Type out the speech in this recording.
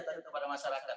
tapi kepada masyarakat